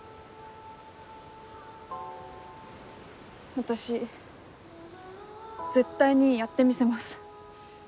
私絶対にやってみせます。